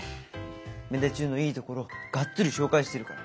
芽出中のいいところガッツリ紹介してるから。